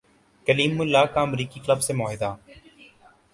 کلیم اللہ کا امریکی کلب سے معاہدہ